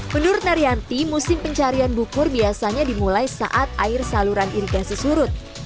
menurut naryanti musim pencarian bukur biasanya dimulai saat air saluran irigasi surut